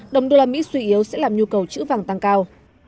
đồng đô la mỹ suy yếu sẽ làm nhu cầu chữ vàng tăng cao